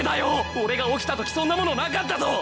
俺が起きた時そんな物なかったぞ！